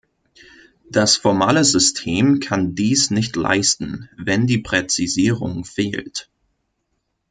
Das formale System kann dies nicht leisten, wenn die Präzisierung fehlt.